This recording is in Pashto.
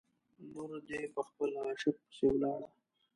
لور دې په خپل عاشق پسې ولاړه.